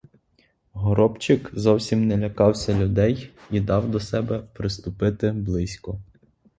Горобчик зовсім не лякався людей і дав до себе приступити близько.